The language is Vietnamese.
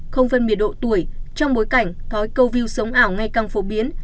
không phân biệt độ tuổi trong bối cảnh thói câu view sống ảo ngay càng phổ biến